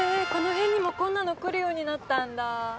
この辺にもこんなの来るようになったんだ